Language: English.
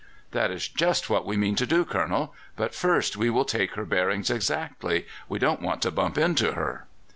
"That is just what we mean to do, Colonel; but first we will take her bearings exactly. We don't want to bump into her."